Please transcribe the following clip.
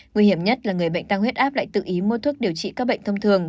nguy hiểm nhất là người bệnh tăng huyết áp lại tự ý mua thuốc điều trị các bệnh thông thường